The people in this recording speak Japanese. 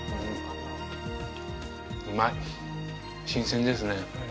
うまい新鮮ですね